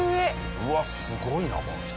うわっすごいなこの人。